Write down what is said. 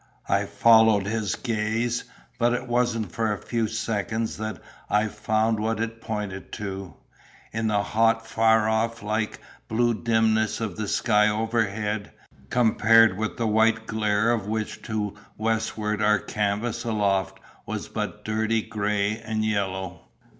I followed his gaze, but it wasn't for a few seconds that I found what it pointed to, in the hot far off like blue dimness of the sky overhead, compared with the white glare of which to westward our canvas aloft was but dirty gray and yellow.